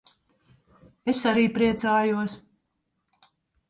Es arī priecājos.